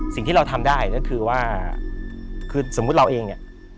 สิ่งที่เราทำได้ก็คือว่าคือสมมุติเราเองเนี่ย